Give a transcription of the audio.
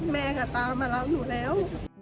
แม่ก็ตามมารับหนูแล้ว